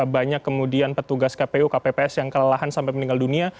banyak kemudian petugas kpu kpps yang kelelahan sampai meninggal dunia